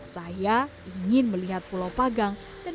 saya ingin melihat pulau pagang dan